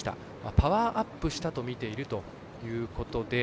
パワーアップしたと見ているということで。